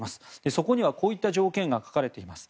そこにはこういった条件が書かれています。